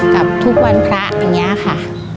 กับทุกวันพระอย่างนี้ค่ะ